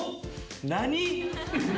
何？